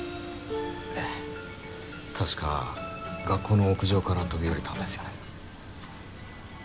ええ確か学校の屋上から飛び降りたんですよね？